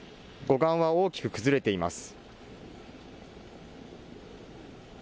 護岸は大きく崩れています。